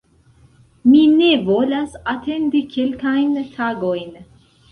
Mi ne volas atendi kelkajn tagojn"